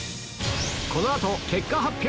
この後結果発表！